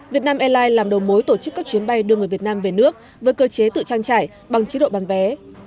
việt nam airlines làm đầu mối tổ chức các chuyến bay đưa người việt nam về nước với cơ chế tự trang trải bằng chế độ bán vé